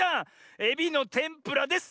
エビのてんぷらです。